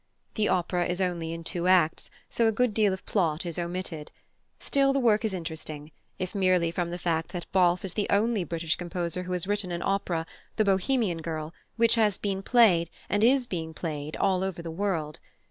The opera is only in two acts, so a good deal of plot is omitted; still, the work is interesting, if merely from the fact that Balfe is the only British composer who has written an opera, The Bohemian Girl, which has been played, and is being played, all over the world.